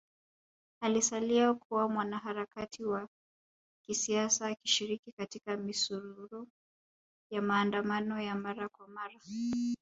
Alisalia kuwa mwanaharakati wa kisiasa akishiriki katika misururu ya maandamano ya mara kwa mara